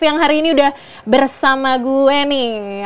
yang hari ini udah bersama gue eni